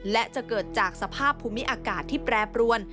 และจะเกิดจากสภาพภูมิอากาศที่แปรปรวน